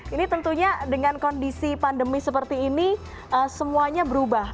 ini tentunya dengan kondisi pandemi seperti ini semuanya berubah